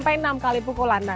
dan nama adalah